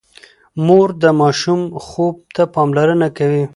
مور د ماشوم خوب ته پاملرنه کوي۔